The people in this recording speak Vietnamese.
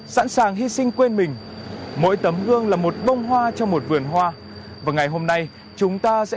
sẵn sàng hy sinh quên mình mỗi tấm gương là một bông hoa trong một vườn hoa và ngày hôm nay chúng ta sẽ